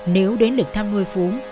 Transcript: nếu đến lịch thăm nuôi phú